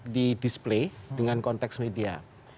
di display dengan konteks media